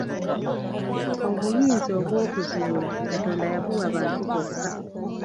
Obuyinza obw'okuzuula Katonda yabuwa bantu bokka.